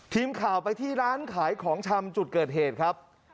ทีมข่าวไปที่ร้านขายของชำจุดเกิดเหตุครับ